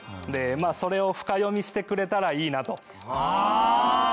それを深読みしてくれたらいいなと。